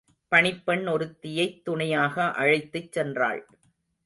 பணிப்பெண் ஒருத்தியைத் துணையாக அழைத்துச் சென்றாள்.